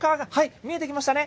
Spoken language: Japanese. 見えてきましたね。